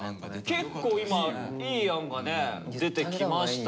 結構今いい案がね出てきましたけど。